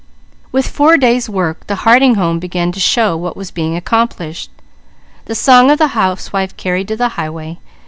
With four days' work the Harding home began to show what was being accomplished. The song of the housewife carried to the highway.